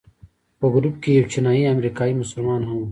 په ګروپ کې یو چینایي امریکایي مسلمان هم و.